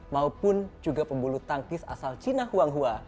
maupun juga pembulu tangkis asal china huanghua